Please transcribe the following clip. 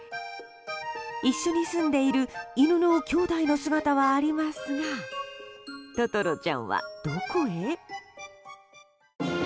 一緒に住んでいる犬のきょうだいの姿はありますがととろちゃんはどこへ？